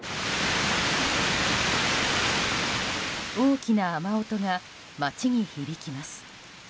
大きな雨音が街に響きます。